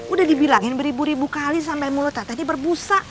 udah dibilangin beribu ribu kali sampai mulut tadi berbusa